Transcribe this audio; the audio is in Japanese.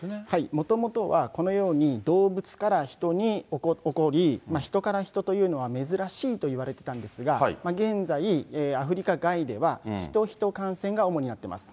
もともとはこのように動物から人に起こり、ヒトからヒトというのは珍しいといわれてたんですが、現在、アフリカ外ではヒト・ヒト感染が主になっています。